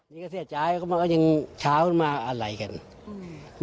นี่ก็เสียใจก็มันก็ยังเช้ามาอะไหล่กันอืม